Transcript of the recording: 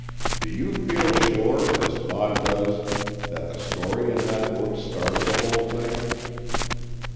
"Do you feel sure, as Maud does, that the story in the book started the whole thing?"